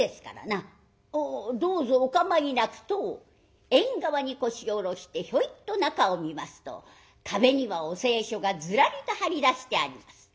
おおどうぞお構いなく」と縁側に腰を下ろしてひょいっと中を見ますと壁にはお清書がずらりと張り出してあります。